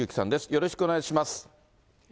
よろしくお願いします。